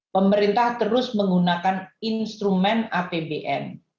pemerintah terus menggunakan instrumen apbn